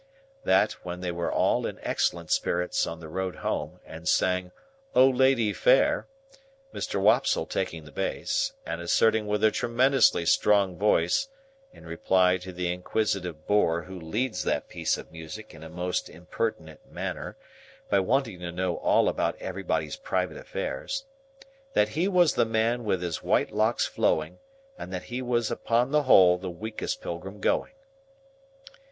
That, they were all in excellent spirits on the road home, and sang, O Lady Fair! Mr. Wopsle taking the bass, and asserting with a tremendously strong voice (in reply to the inquisitive bore who leads that piece of music in a most impertinent manner, by wanting to know all about everybody's private affairs) that he was the man with his white locks flowing, and that he was upon the whole the weakest pilgrim going.